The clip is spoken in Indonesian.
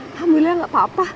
alhamdulillah gak apa apa